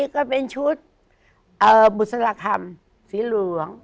ก็เป็นชุดบุษราคำสีเหลือง